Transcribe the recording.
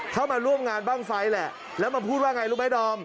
เข้ามาร่วมงานบ้างไฟแหละแล้วมาพูดว่าไงรู้ไหมดอม